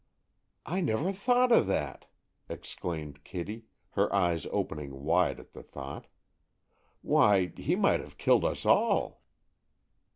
"I never thought of that!" exclaimed Kitty, her eyes opening wide at the thought. "Why, he might have killed us all!"